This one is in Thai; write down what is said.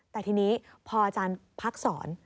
แต่ทีนี้พออาจารย์พักสอน